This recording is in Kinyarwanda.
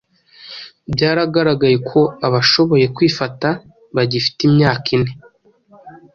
byaragaragaye ko abashoboye kwifata bagifite imyaka ine,